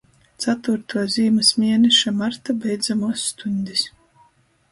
Catūrtuo zīmys mieneša marta beidzamuos stuņdis.